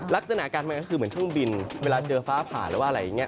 ลักษณะการมันก็คือเหมือนเครื่องบินเวลาเจอฟ้าผ่านหรืออะไรอย่างนี้